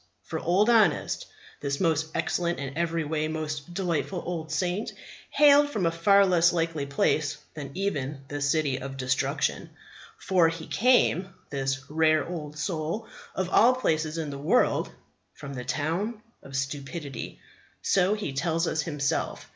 For Old Honest, this most excellent and every way most delightful old saint, hailed from a far less likely place than even the City of Destruction. For he came, this rare old soul, of all places in the world, from the Town of Stupidity. So he tells us himself.